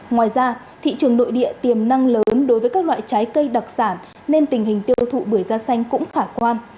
ngoài ra thị trường nội địa tiềm năng lớn đối với các loại trái cây đặc sản nên tình hình tiêu thụ bưởi da xanh cũng khả quan